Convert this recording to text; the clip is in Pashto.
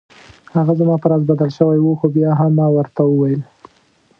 هغه زما په راز بدل شوی و خو بیا هم ما ورته وویل.